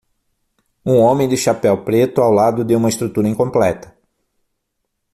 Um homem de chapéu preto ao lado de uma estrutura incompleta.